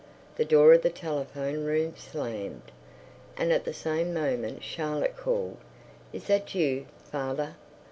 The door of the telephone room slammed, and at the same moment Charlotte called, "Is that you, father?"